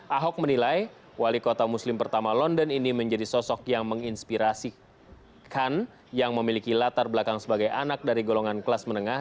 ahok menilai wali kota muslim pertama london ini menjadi sosok yang menginspirasi khan yang memiliki latar belakang sebagai anak dari golongan kelas menengah